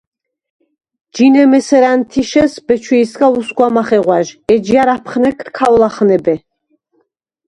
– ჯინემ ესერ ა̈ნთიშეს ბეჩვიჲსგა უსგვა მახეღვა̈ჟ, ეჯჲა̈რ აფხნეგდ ქავ ლახნებე.